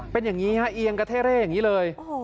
เป็นอย่างนี้ฮะเอียงกระเท่เร่อย่างนี้เลย